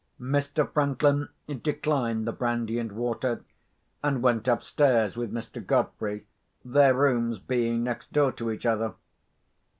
Mr. Franklin declined the brandy and water, and went upstairs with Mr. Godfrey, their rooms being next door to each other.